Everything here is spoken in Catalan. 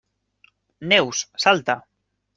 Neus, salta!